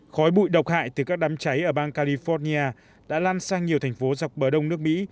khói bụi độc hại từ các đám cháy ở bang california đã lan sang nhiều thành phố dọc bờ đông nước mỹ